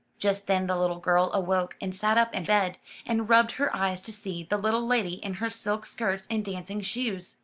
Just then the little girl awoke, and sat up in bed, and rubbed her eyes to see the little lady in her silk skirts and dancing shoes.